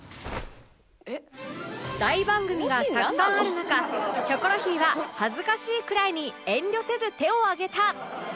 大番組がたくさんある中『キョコロヒー』は恥ずかしいくらいに遠慮せず手を挙げた